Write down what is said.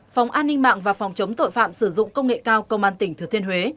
phòng an ninh mạng và phòng chống tội phạm sử dụng công nghệ cao công an tỉnh thừa thiên huế